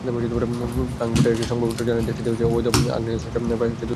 ফ্রাঙ্কফুর্টের একটি সংবাদপত্র জানায়, দেশটিতে অবৈধ আগ্নেয়াস্ত্র আছে প্রায় দুই কোটি।